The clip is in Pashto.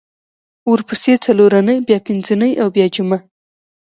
ورپسې څلورنۍ بیا پینځنۍ او بیا جمعه